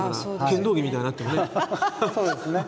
剣道着みたいになってもね。